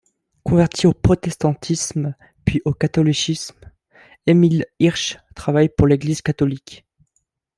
Converti au protestantisme, puis au catholicisme, Émile Hirsch travaille pour l’Église catholique.